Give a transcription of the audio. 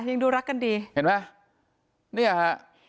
ยังดูรักกันดีเห็นไหมเนี่ยฮะ